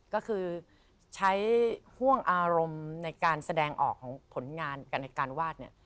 ก็คือใช้ห่วงอารมณ์ในการแสดงออกของผลงานกันในการวาดเนี่ย